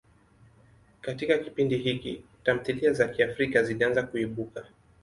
Katika kipindi hiki, tamthilia za Kiafrika zilianza kuibuka.